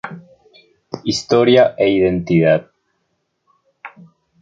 Historia e identidad.